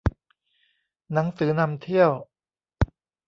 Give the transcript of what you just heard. หนังสือนำเที่ยว